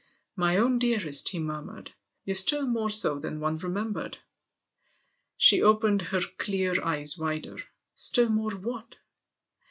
" My own dearest," he murmured, " you're still more so than one remem bered!" She opened her clear eyes wider. "Still more what